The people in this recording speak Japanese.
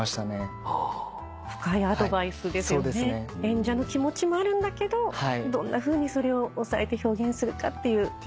演者の気持ちもあるんだけどどんなふうにそれを抑えて表現するかっていう。